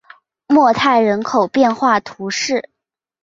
莫泰人口变化图示